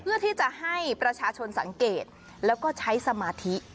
เพื่อที่จะให้ประชาชนสังเกตแล้วก็ใช้สมาธิ